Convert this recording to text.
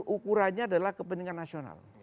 ukurannya adalah kepentingan nasional